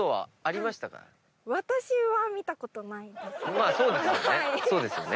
まあそうですよね。